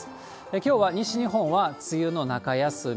きょうは西日本は梅雨の中休み。